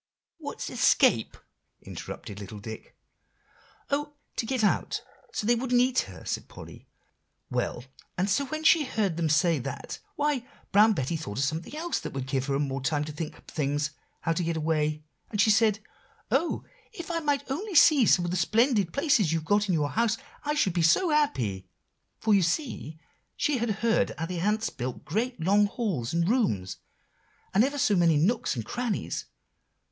"What's escape?" interrupted little Dick. "Oh! to get out, so they wouldn't eat her up!" said Polly; "well, and so when she heard them say that, why, Brown Betty thought of something else that would give her more time to think up things, how to get away. And she said, 'Oh! if I might only see some of the splendid places you've got in your house, I should be so happy;' for you see she had heard how the ants build great, long halls and rooms, and ever so many nooks and crannies.